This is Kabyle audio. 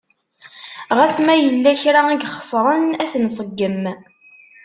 Ɣas ma yella kra i ixeṣren a t-nṣeggem.